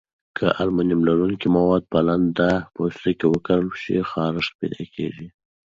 که المونیم لرونکي مواد په لنده پوستکي وکارول شي، خارښت پیدا کېږي.